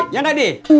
ya nggak di